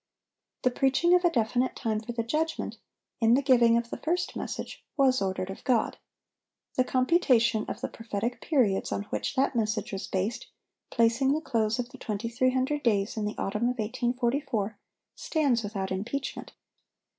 The preaching of a definite time for the judgment, in the giving of the first message, was ordered of God. The computation of the prophetic periods on which that message was based, placing the close of the 2300 days in the autumn of 1844, stands without impeachment.